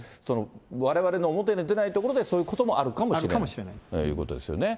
われわれの表に出ないところでそういうこともあるかもしれないであるかもしれない。ということですよね。